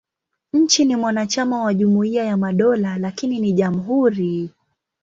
Nchi ni mwanachama wa Jumuiya ya Madola, lakini ni jamhuri.